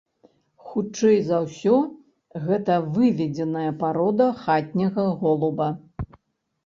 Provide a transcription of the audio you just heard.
Хутчэй за ўсё гэта выведзеная парода хатняга голуба.